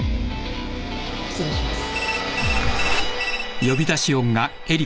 失礼します。